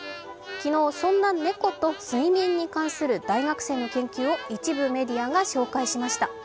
昨日、そんな猫と睡眠に関する大学生の研究を一部メディアが紹介しました。